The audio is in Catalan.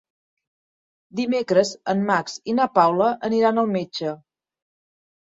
Dimecres en Max i na Paula aniran al metge.